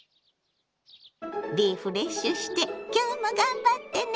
リフレッシュして今日も頑張ってね！